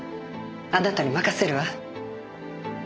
あなたに任せるわ。